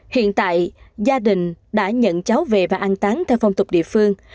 hiện tại gia đình đã nhận cháu về và an tán theo phong tục địa phương